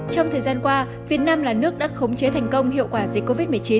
trong thời gian qua việt nam là nước đã khống chế thành công hiệu quả dịch covid một mươi chín